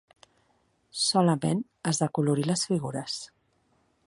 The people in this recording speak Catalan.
Solament has d'acolorir les figures.